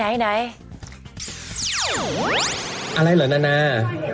อะไรเหรอนานา